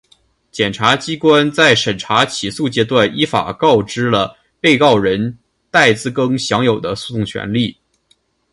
检察机关在审查起诉阶段依法告知了被告人戴自更享有的诉讼权利